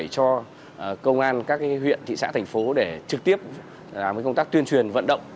cho công an các huyện thị xã thành phố để trực tiếp làm công tác tuyên truyền vận động